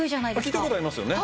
聞いた事ありますよね。